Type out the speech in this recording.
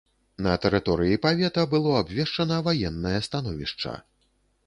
На тэрыторыі павета было абвешчана ваеннае становішча.